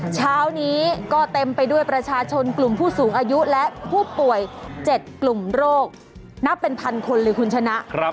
เช้านี้ก็เต็มไปด้วยประชาชนกลุ่มผู้สูงอายุและผู้ป่วย๗กลุ่มโรคนับเป็นพันคนเลยคุณชนะ